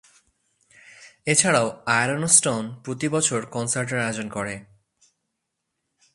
এছাড়াও, আয়রনস্টোন প্রতি বছর কনসার্টের আয়োজন করে।